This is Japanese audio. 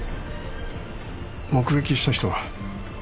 目撃した人は？